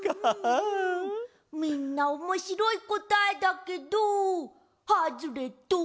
みんなおもしろいこたえだけどはずれっと。